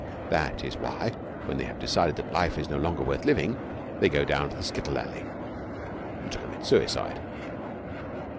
That is why, when they have decided that life is no longer worth living, they go down to the skittle alley to commit suicide.